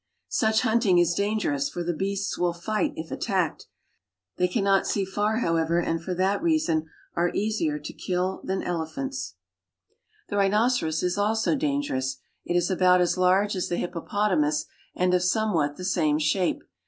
Such hunting is dangerous, for the beasts will ^ht if attacked. They can not see far, however, and for kat reason are easier to kill than elephants. 158 AFRICA The rhinoceros is also dangerous. It is about as large as the hippopotamus and of somewhat the same shape.